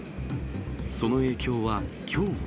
その影響は、きょうも。